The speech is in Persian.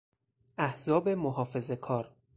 احزاب محافظهکار